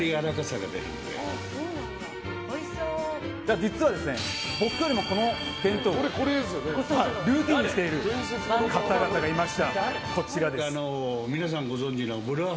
実は、僕よりもこの弁当をルーティンにしている方々がいました。